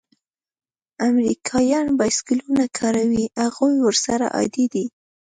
امریکایان بایسکلونه کاروي؟ هغوی ورسره عادي دي.